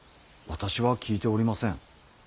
私は聞いておりません。